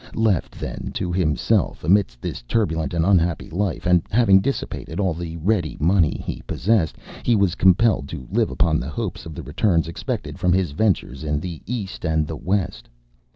Left, then, to himself, amidst this turbulent and unhappy life, and having dissipated all the ready money he possessed, he was compelled to live upon the hopes of the returns expected from his ventures in the East and the West.